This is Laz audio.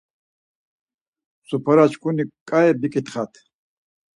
Suparaçkuni ǩai biǩitxat